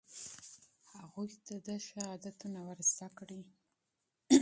هغوی ته ښه عادتونه ور زده کړئ.